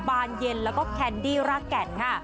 บานเย็นแล้วก็แคนดี้รากแก่นค่ะ